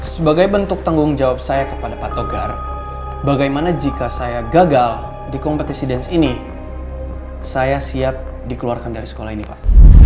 sebagai bentuk tanggung jawab saya kepada pak togar bagaimana jika saya gagal di kompetisi dance ini saya siap dikeluarkan dari sekolah ini pak